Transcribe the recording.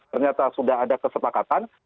ternyata sudah ada kesepakatan